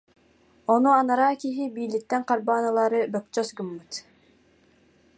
Ону анараа киһи биилиттэн харбаан ылаары бөкчөс гыммыт